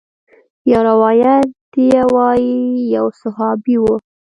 يو روايت ديه وايي يو صحابي و.